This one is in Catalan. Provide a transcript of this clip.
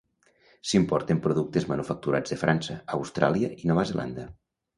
S'importen productes manufacturats de França, Austràlia i Nova Zelanda.